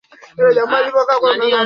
hasa kwa shahada ya pili na ya tatu